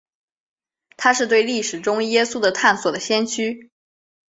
他是对历史中耶稣的探索的先驱。